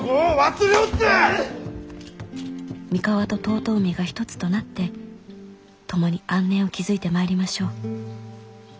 「三河と遠江が一つとなって共に安寧を築いてまいりましょう。